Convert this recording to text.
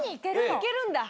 行けるんだ。